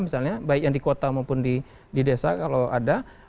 misalnya baik yang di kota maupun di desa kalau ada